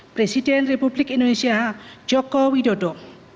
presiden republik indonesia joko widodo